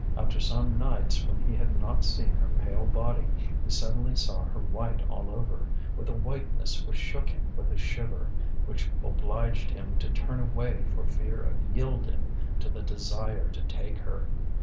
After some nights when he had not seen her pale body, he suddenly saw her white all over, with a whiteness which shook him with a shiver, which obliged him to turn away for fear of yielding to the desire to take her.